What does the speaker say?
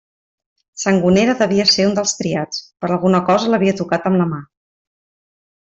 Sangonera devia ser un dels triats: per alguna cosa l'havia tocat amb la mà.